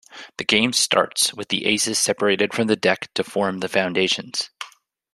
The game starts with the aces separated from the deck to form the foundations.